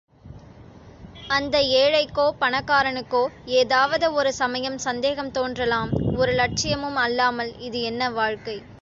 அந்த ஏழைக்கோ, பணக்காரனுக்கோ ஏதாவது ஒரு சமயம் சந்தேகம் தோன்றலாம் ஒரு லட்சியமும் அல்லாமல் இது என்ன வாழ்க்கை?